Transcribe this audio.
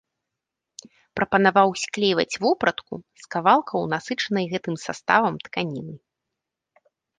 Прапанаваў склейваць вопратку з кавалкаў насычанай гэтым саставам тканіны.